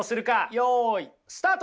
よいスタート。